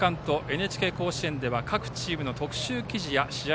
「ＮＨＫ甲子園」では各チームの特集記事や試合